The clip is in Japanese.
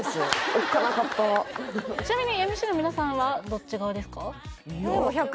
おっかなかったちなみにＭＣの皆さんはどっち側ですか？